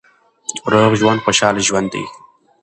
روغ ژوند خوشاله ژوند دی.